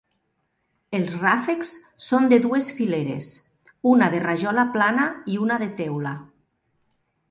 Els ràfecs són de dues fileres, una de rajola plana i una de teula.